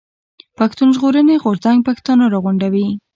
پښتون ژغورني غورځنګ پښتانه راغونډوي.